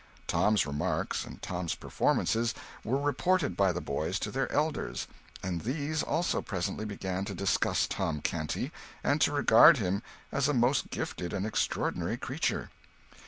Tom's remarks, and Tom's performances, were reported by the boys to their elders; and these, also, presently began to discuss Tom Canty, and to regard him as a most gifted and extraordinary creature.